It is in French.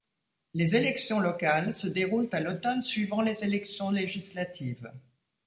Les élections locales se déroulent à l'automne suivant les élections législatives.